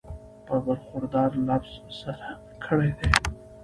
پۀ برخوردار لفظ سره کړی دی